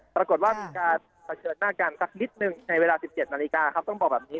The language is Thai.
ปรากฏว่ามีการเผชิญหน้ากันสักนิดหนึ่งในเวลา๑๗นาฬิกาครับต้องบอกแบบนี้